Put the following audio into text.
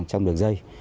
trong đường dây